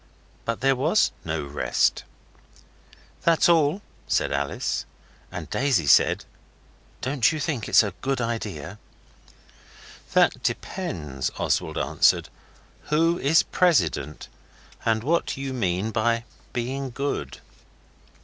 But there was no rest. 'That's all,' said Alice, and Daisy said 'Don't you think it's a good idea?' 'That depends,' Oswald answered, 'who is president and what you mean by being good.